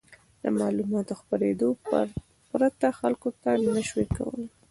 د معلوماتو خپرېدو پرته خلکو نه شوای کولای.